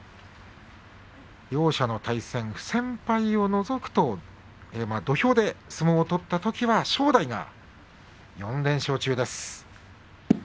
両者の対戦不戦敗を除くと土俵で相撲を取ったときは正代が４連勝中です。